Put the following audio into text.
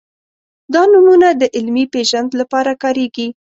دا نومونه د علمي پېژند لپاره کارېږي.